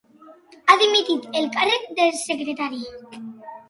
Ha dimitit el càrrec de secretari.